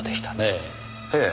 ええ。